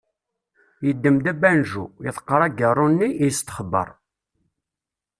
Yedem-d abanju, iḍeqqer agaṛṛu-nni, yestexber.